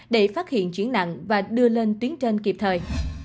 để phát hiện chuyển nặng và đưa lên tuyến trên kịp thời